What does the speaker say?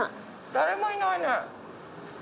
誰もいないね。